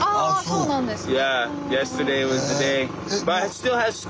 そうなんですね。